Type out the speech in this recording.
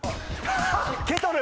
ケトル。